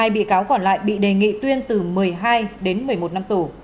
hai mươi hai bị cáo còn lại bị đề nghị tuyên từ một mươi hai một mươi một năm tù